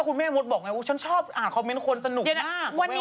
คุณแม่มัดบอกว่าอ่านคอมเมนต์คนสนุกมาก